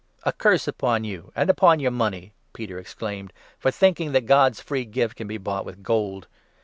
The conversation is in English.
"A curse upon you and upon your money," Peter ex claimed, " for thinking that God's free gift can be bought with gold